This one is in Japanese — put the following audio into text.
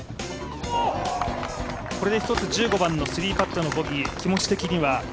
これで１つ１５番の３パットのボギー、気持ち的には？